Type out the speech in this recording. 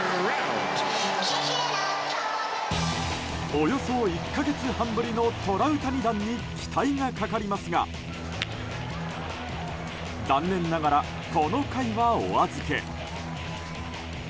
およそ１か月半ぶりのトラウタニ弾に期待がかかりますが残念ながら、この回はお預け。